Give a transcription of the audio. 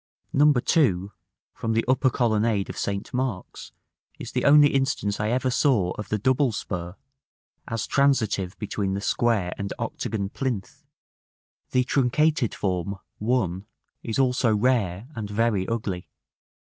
No. 2, from the upper colonnade of St. Mark's, is the only instance I ever saw of the double spur, as transitive between the square and octagon plinth; the truncated form, 1, is also rare and very ugly.